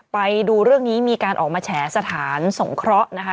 ไปดูเรื่องนี้มีการออกมาแฉสถานสงเคราะห์นะคะ